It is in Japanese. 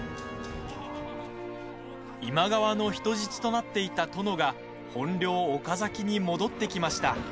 今川の人質となっていた殿が本領、岡崎に戻ってきました。